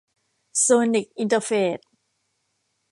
โซนิค อินเตอร์เฟรท